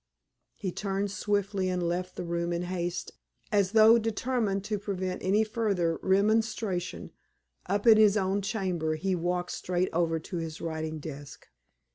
He turned swiftly and left the room in haste, as though determined to prevent any further remonstrance. Up in his own chamber, he walked straight over to his writing desk.